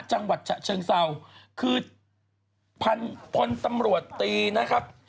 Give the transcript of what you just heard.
จังหวัดฉะเชิงเศร้าคือพันพลตำรวจตีนะครับ